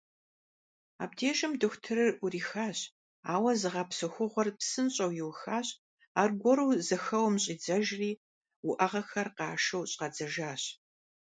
Абдежым дохутырыр Ӏурихащ, ауэ зыгъэпсэхугъуэр псынщӀэу иухащ, аргуэру зэхэуэм щӀидзэжри уӀэгъэхэр къашэу щӀадзэжащ.